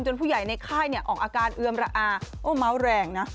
ผู้ใหญ่ในค่ายออกอาการเอือมระอาโอ้เมาส์แรงนะ